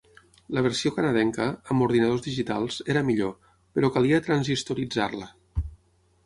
La versió canadenca, amb ordinadors digitals, era millor, però calia transistoritzar-la.